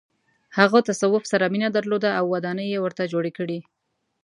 هغه تصوف سره مینه درلوده او ودانۍ یې ورته جوړې کړې.